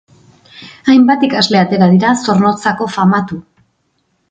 Hainbat ikasle atera dira, Zornotzako famatu.